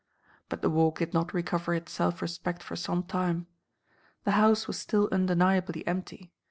But the Walk did not recover its self respect for some time. The house was still undeniably empty.